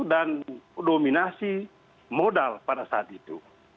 dan dominasi modal pada saat itu